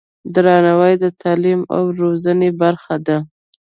درناوی د تعلیم او روزنې برخه ده.